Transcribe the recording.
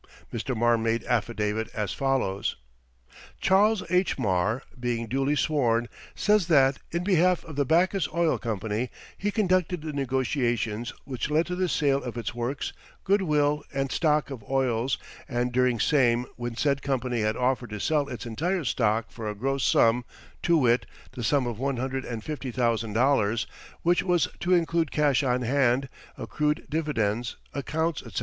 Mr. Marr made affidavit as follows: "Charles H. Marr, being duly sworn, says that, in behalf of the Backus Oil Company, he conducted the negotiations which led to the sale of its works, good will, and stock of oils and during same when said company had offered to sell its entire stock for a gross sum, to wit, the sum of one hundred and fifty thousand dollars ($150,000), which was to include cash on hand, accrued dividends, accounts, etc.